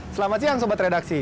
selamat siang sobat redaksi